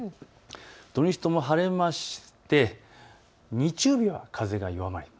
土日とも晴れまして、日曜日は風が弱まる。